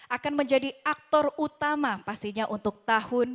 akan menjadi aktor utama pastinya untuk tahun dua ribu dua puluh